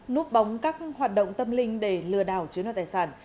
núp bóng các hoạt động tâm linh để lừa đảo chiếm đoạt tài sản